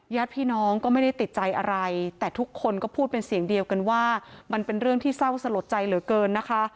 ญาติพี่น้องก็ไม่ได้ติดใจอะไรแต่ทุกคนก็พูดเป็นเสียงเดียวกันว่ามันเป็นเรื่องที่เศร้าสลดใจเหลือเกินนะคะ